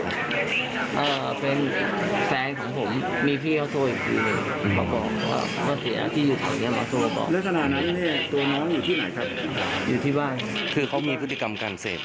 แฟนของผมมีพี่เนาโซ้อีกทีหนึ่งมาบอกว่าเสียที่อยู่ของเนี่ยมาโซ้อบอก